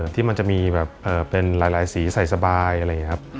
ที่มันจะมีแบบเป็นหลายสีใส่สบายอะไรอย่างนี้ครับ